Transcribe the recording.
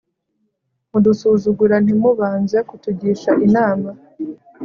mudusuzugura ntimubanze kutugisha inama